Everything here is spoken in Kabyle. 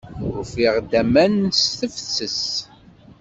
Ufiɣ-d aman s tefses.